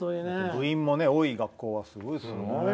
部員も多い学校はすごいですからね。